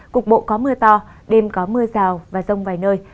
cục bộ có mưa to đêm có mưa rào và rông vài nơi